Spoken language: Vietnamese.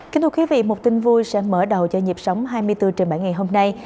kính thưa quý vị một tin vui sẽ mở đầu cho nhịp sống hai mươi bốn trên bảy ngày hôm nay